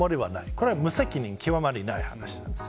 これは無責任極まりない話です。